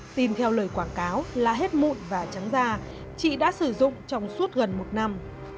tin theo lời quảng cáo là hết mụn và trắng da chị đã sử dụng trong suốt gần một năm